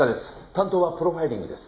担当はプロファイリングです。